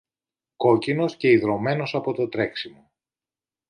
κόκκινος και ιδρωμένος από το τρέξιμο.